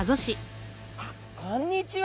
あっこんにちは。